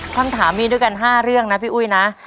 คำถามมีด้วยกัน๕เรื่องนะพี่อุ้ยนะ